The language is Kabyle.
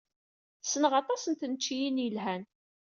Ssneɣ aṭas n tneččiyin yelhan.